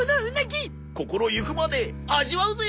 心ゆくまで味わうぜ！